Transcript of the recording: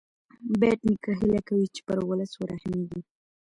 بېټ نیکه هیله کوي چې پر ولس ورحمېږې.